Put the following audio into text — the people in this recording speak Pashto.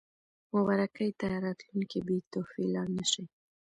مبارکۍ ته راتلونکي بې تحفې لاړ نه شي.